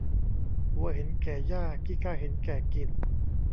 วัวเห็นแก่หญ้า ขี้ข้าเห็นแก่กิน